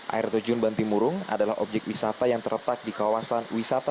air terjun bantimurung adalah objek wisata yang terletak di kawasan wisata